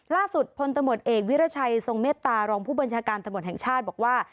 ล่าสุดพลตำรวจเอกวิรัชัยทรงเมตตารองผู้บัญชาการตำรวจแห่งชาติบอกว่า